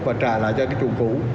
và trả lại cho cái chủ cũ